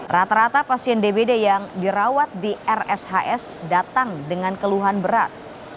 rata rata pasien dbd yang dirawat di rshs datang dengan keluhan berat